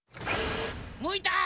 むいた！